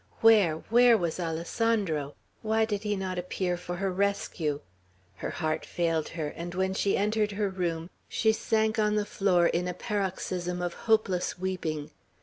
Where, where was Alessandro? Why did he not appear for her rescue? Her heart failed her; and when she entered her room, she sank on the floor in a paroxysm of hopeless weeping.